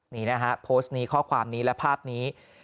นี่นะฮะโพสต์นี้ข้อความนี้และภาพนี้